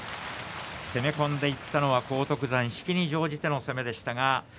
攻め込んでいったのは荒篤山引きに乗じての攻めでした。